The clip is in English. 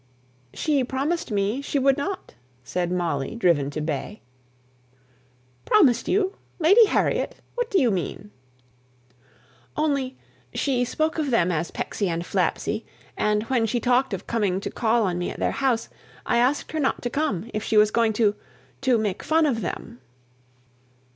'" "She promised me she would not," said Molly driven to bay. "Promised you! Lady Harriet? What do you mean?" "Only she spoke of them as Pecksy and Flapsy and when she talked of coming to call on me at their house, I asked her not to come if she was going to to make fun of them."